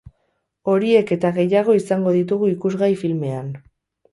Horiek eta gehiago izango ditugu ikusgai filmean.